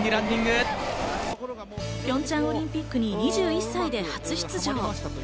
ピョンチャンオリンピックに２１歳で初出場。